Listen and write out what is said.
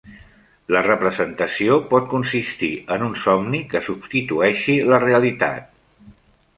La representació pot consistir en un somni que substitueixi la realitat.